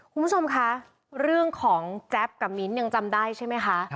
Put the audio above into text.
คุณผู้ชมคะเรื่องของแจ๊บกับมิ้นท์ยังจำได้ใช่ไหมคะ